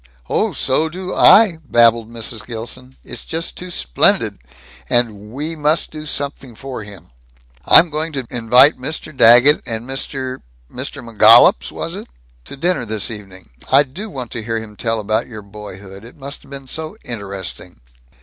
"Oh, so do I!" babbled Mrs. Gilson. "It's just too splendid. And we must do something for him. I'm going to invite Mr. Daggett and Mr. Mr. McGollups, was it? to dinner this evening. I do want to hear him tell about your boyhood. It must have been so interesting."